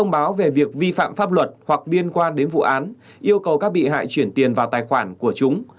báo về việc vi phạm pháp luật hoặc liên quan đến vụ án yêu cầu các bị hại chuyển tiền vào tài khoản của chúng